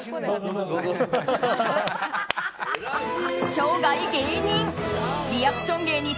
生涯芸人。